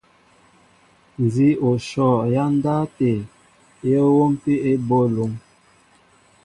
Nzi o shɔ ya ndáw até, i o nwómpin na eboy elúŋ.